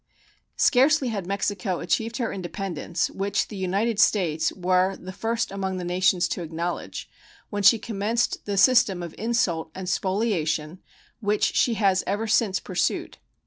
Scarcely had Mexico achieved her independence, which the United States were the first among the nations to acknowledge, when she commenced the system of insult and spoliation which she has ever since pursued.